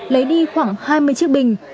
lấy đi khoảng hai mươi chiếc bình